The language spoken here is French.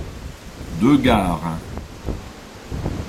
Deux gares.